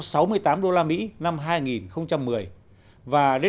và đến năm hai nghìn một mươi năm tăng trưởng gdp của nước ta là bốn sáu